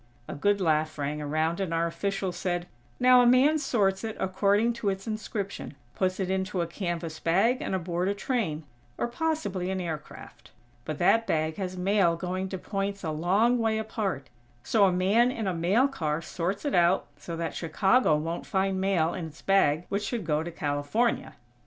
A good laugh rang around, and our official said: "Now a man sorts it according to its inscription, puts it into a canvas bag and aboard a train, or possibly an aircraft. But that bag has mail going to points a long way apart, so a man in a mail car sorts it out, so that Chicago won't find mail in its bag which should go to California."